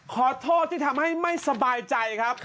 ขอโทษที่ทำให้ไม่สบายใจครับ